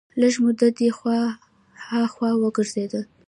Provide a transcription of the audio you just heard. لږه موده دې خوا ها خوا وګرځېد.